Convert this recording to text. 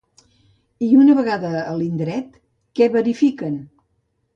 I una vegada a l'indret, què verifiquen?